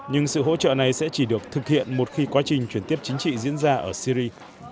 nhưng sự hỗ trợ này sẽ chỉ được thực hiện một khi quá trình chuyển tiếp chính trị diễn ra ở syri